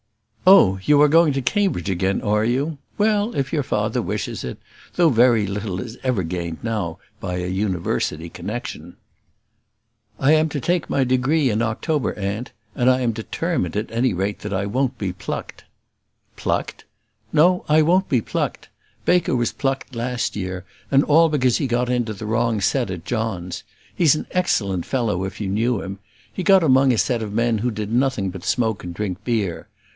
"Oh! you are going to Cambridge again, are you? Well, if your father wishes it; though very little is ever gained now by a university connexion." "I am to take my degree in October, aunt; and I am determined, at any rate, that I won't be plucked." "Plucked!" "No; I won't be plucked. Baker was plucked last year, and all because he got into the wrong set at John's. He's an excellent fellow if you knew him. He got among a set of men who did nothing but smoke and drink beer.